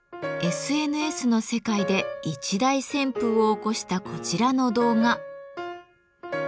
ＳＮＳの世界で一大旋風を起こしたこちらの動画。